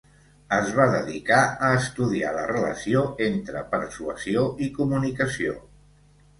Es va dedicar a estudiar la relació entre persuasió i comunicació.